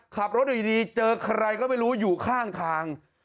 ขับรถอยู่ดีเจอใครก็ไม่รู้อยู่ข้างทาง